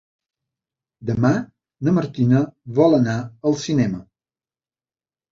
Demà na Martina vol anar al cinema.